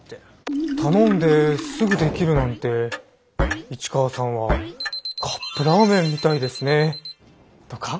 「頼んですぐできるなんて市川さんはカップラーメンみたいですね」とか。